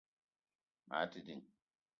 Maa te ding